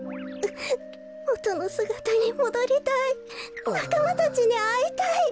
もとのすがたにもどりたいなかまたちにあいたい。